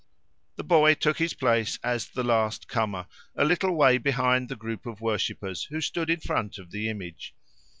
The boy took his place as the last comer, a little way behind the group of worshippers who stood in front of the image.